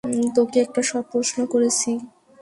তোকে একটা প্রশ্ন করেছি।